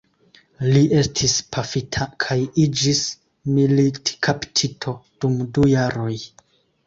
Li estis pafita kaj iĝis militkaptito dum du jaroj.